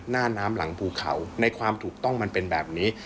หน้าน้ำหลังภูเขาในความถูกต้องมันเป็นแบบนี้